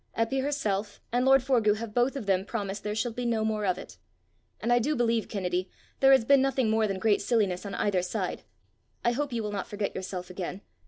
Eppie herself and lord Forgue have both of them promised there shall be no more of it. And I do believe, Kennedy, there has been nothing more than great silliness on either side. I hope you will not forget yourself again.